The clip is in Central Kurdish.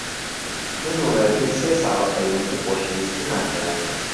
من و ڕێبین سێ ساڵە پەیوەندیی خۆشەویستیمان هەیە.